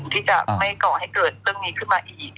ที่จะไม่ก่อให้เกิดเรื่องนี้ขึ้นมาอีก